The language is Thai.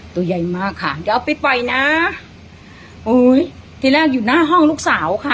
ตัวใหญ่มากค่ะเดี๋ยวเอาไปปล่อยนะโอ้ยที่แรกอยู่หน้าห้องลูกสาวค่ะ